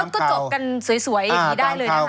ก็จบกันสวยอย่างนี้ได้เลยนะคะ